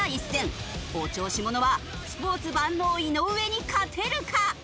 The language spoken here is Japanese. お調子者はスポーツ万能井上に勝てるか！？